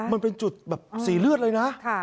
มันเป็นจุดแบบสีเลือดเลยนะ